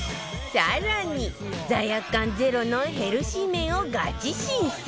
更に罪悪感ゼロのヘルシー麺をガチ審査